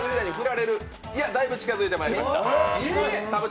だいぶ近づいてまいりました。